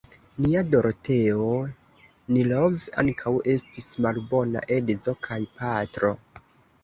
Nia Doroteo Nilov ankaŭ estis malbona edzo kaj patro.